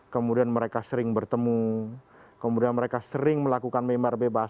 kemudian mereka sering bertemu kemudian mereka sering melakukan memar bebas